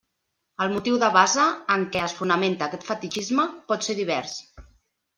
El motiu de base en què es fonamenta aquest fetitxisme pot ser divers.